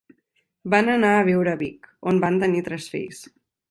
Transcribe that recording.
Van anar a viure a Vic, on van tenir tres fills: